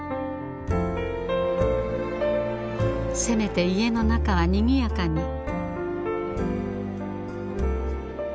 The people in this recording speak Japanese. せめて家の中はにぎやかに。